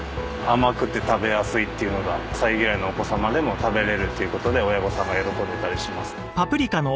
甘くて食べやすいっていうのが野菜嫌いのお子様でも食べられるっていう事で親御さんが喜んでたりします。